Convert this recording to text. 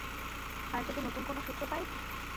আর যদি নতুন কোনো সূত্র পাই?